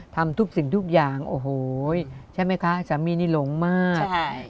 ทำทุกสิ่งทุกอย่างโอ้โหใช่ไหมคะสามีนี่หลงมาก